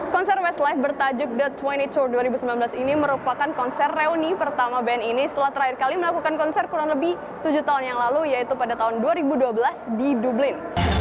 konser westlife bertajuk the dua puluh tour dua ribu sembilan belas ini merupakan konser reuni pertama band ini setelah terakhir kali melakukan konser kurang lebih tujuh tahun yang lalu yaitu pada tahun dua ribu dua belas di dublin